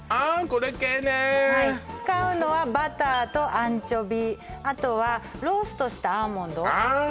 これ系ねはい使うのはバターとアンチョビあとはローストしたアーモンドああ